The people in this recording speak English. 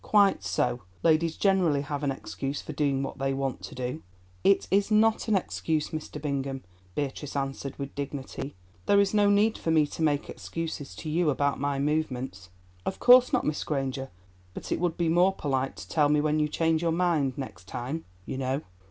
"Quite so, ladies generally have an excuse for doing what they want to do." "It is not an excuse, Mr. Bingham," Beatrice answered, with dignity; "there is no need for me to make excuses to you about my movements." "Of course not, Miss Granger; but it would be more polite to tell me when you change your mind—next time, you know.